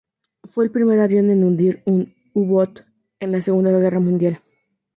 Fue el primer avión en hundir un U-boot en la Segunda Guerra Mundial.